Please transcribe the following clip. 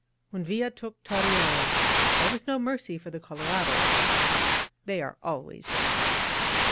When Villa took Torreon, there was no mercy for the color ados; they are always shot.